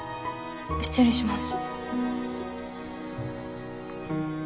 失礼します。